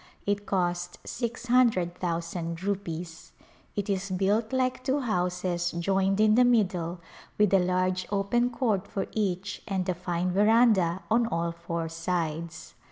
It cost six hundred thousand rupees. It is built like two houses joined in the middle with a large open court for each and a fine veranda on all four sides.